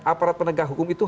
aparat penegak hukum itu